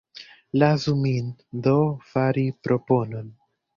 Lasu min, do, fari proponon.